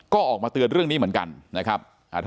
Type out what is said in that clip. ก็ออกมาเตือนเรื่องนี้เหมือนกันนะครับ